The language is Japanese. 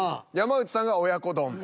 山内さんが「親子丼」。